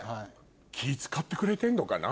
気ぃ使ってくれてんのかな？